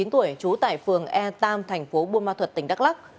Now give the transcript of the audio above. một mươi chín tuổi chú tại phường e tam tp buôn ma thuật tỉnh đắk lắc